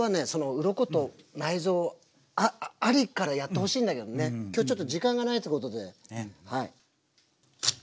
うろこと内臓ありからやってほしいんだけどね今日ちょっと時間がないっつうことで。